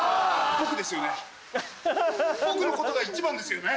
僕のことが一番ですよね？